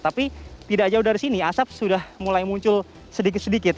tapi tidak jauh dari sini asap sudah mulai muncul sedikit sedikit